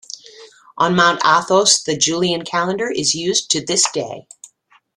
On Mount Athos the Julian calendar is used to this day.